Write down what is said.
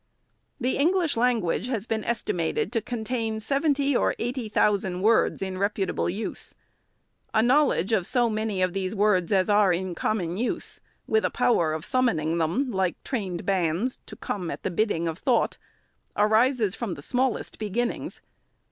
The English language has been estimated to contain seventy or eighty thousand words in reputable use. A knowledge of so many of these words as are in common use, with a power of summoning them, like trained bands, to come at the bidding of thought, arises from the smallest beginnings.